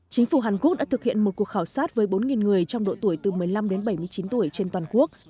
chính phủ hàn quốc đã thực hiện một cuộc khảo sát với bốn người trong độ tuổi từ một mươi năm đến bảy mươi chín tuổi trên toàn quốc